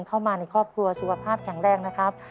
เข้ามาในครอบครัวสุขภาพแข็งแรงนะครับ